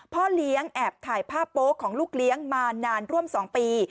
พ่อเลี้ยงแอบถ่ายภาพโป๊ะของลูกเลี้ยงมานานร่วม๒ปี